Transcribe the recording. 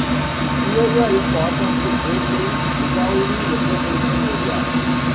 Peoria is part of the Joplin, Missouri metropolitan area.